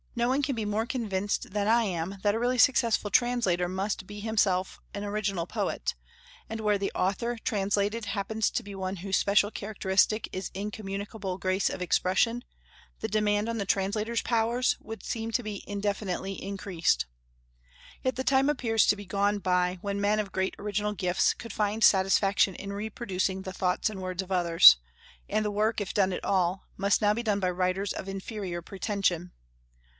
No one can be more convinced than I am that a really successful translator must be himself an original poet; and where the author translated happens to be one whose special characteristic is incommunicable grace of expression, the demand on the translator's powers would seem to be indefinitely increased. Yet the time appears to be gone by when men of great original gifts could find satisfaction in reproducing the thoughts and words of others; and the work, if done at all, must now be done by writers of inferior pretension.